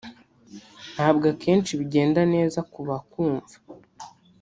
ntabwo akenshi bigenda neza kubakumva